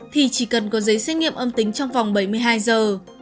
thì chỉ cần có giấy xét nghiệm âm tính trong vòng bảy mươi hai giờ